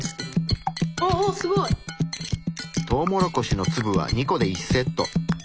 あっすごい！トウモロコシの粒は２個で１セット。